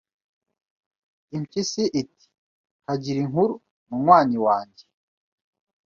Impyisi iti Kagire inkuru munywanyiwange